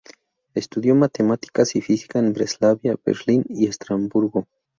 Estudió matemáticas y física en Breslavia, Berlín y Estrasburgo.